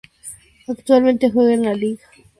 Actualmente juega en la Liga Națională.